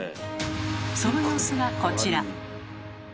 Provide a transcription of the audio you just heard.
その様子がこちら。